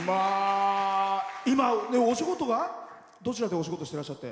今、お仕事は、どちらでお仕事していらっしゃって？